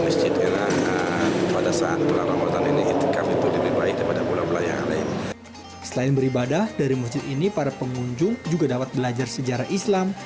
selain beribadah dari masjid ini para pengunjung juga dapat belajar sejarah islam